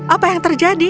apa yang terjadi